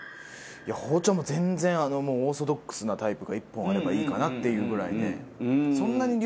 いや包丁はもう全然オーソドックスなタイプが１本あればいいかなっていうぐらいで。